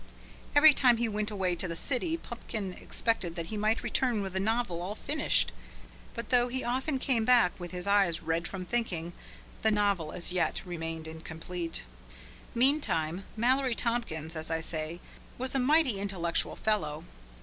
Every time he went away to the city Pupkin expected that he might return with the novel all finished; but though he often came back with his eyes red from thinking, the novel as yet remained incomplete. Meantime, Mallory Tompkins, as I say, was a mighty intellectual fellow.